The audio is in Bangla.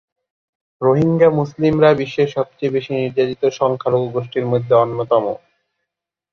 রোহিঙ্গা মুসলমানরা বিশ্বের সবচেয়ে বেশি নির্যাতিত সংখ্যালঘু গোষ্ঠীর মধ্যে অন্যতম।